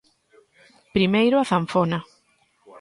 Primeiro a zanfona.